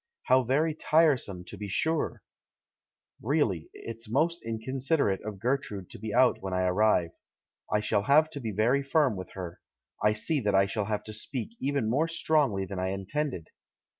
How very tiresome, to be sure! Really, it's most in considerate of Gertrude to be out when I arrive. I shall have to be very firm with her; I see that I shall have to speak even more strongly than I intended."